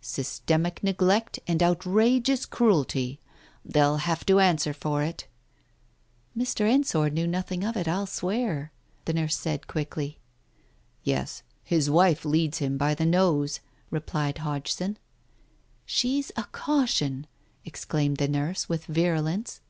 Systematic neglect and outrageous cruelty! They'll have to answer for it." "Mr. Ensor knew nothing of it, I'll swear," the nurse said quickly. "Yes. His wife leads him by the nose," replied Hodgson. "She's a caution!" exclaimed the nurse, with virulence.